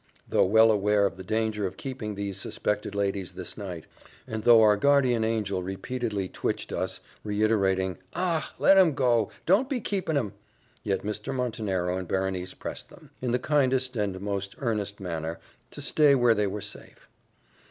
Though well aware of the danger of keeping these suspected ladies this night, and though our guardian angel repeatedly twitched us, reiterating, "Ah! let 'em go don't be keeping 'em!" yet Mr. Montenero and Berenice pressed them, in the kindest and most earnest manner, to stay where they were safe.